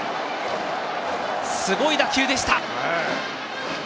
すごい打球でした。